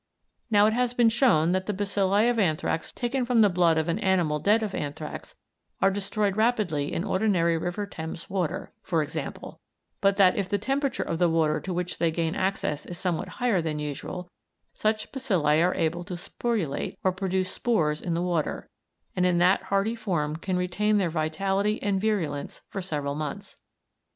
Now it has been shown that the bacilli of anthrax taken from the blood of an animal dead of anthrax are destroyed rapidly in ordinary River Thames water, for example, but that if the temperature of the water to which they gain access is somewhat higher than usual, such bacilli are able to sporulate or produce spores in the water, and in that hardy form can retain their vitality and virulence for several months.